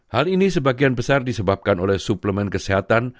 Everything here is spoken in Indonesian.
hal ini sebagian besar disebabkan oleh suplemen kesehatan